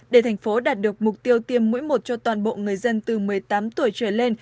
để thành phố đạt được mục tiêu tiêm mũi một cho toàn bộ người dân từ một mươi tám tuổi trở lên